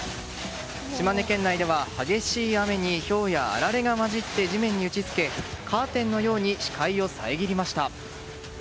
島根県内では激しい雨にひょうやあられが交じって地面に打ちつけカーテンのように視界を遮りました。